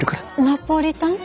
ナポリタン？